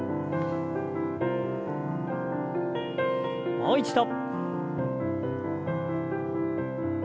もう一度。